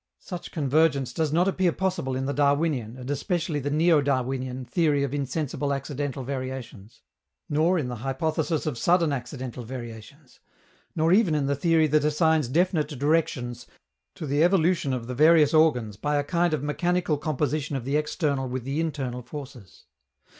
Such convergence does not appear possible in the Darwinian, and especially the neo Darwinian, theory of insensible accidental variations, nor in the hypothesis of sudden accidental variations, nor even in the theory that assigns definite directions to the evolution of the various organs by a kind of mechanical composition of the external with the internal forces.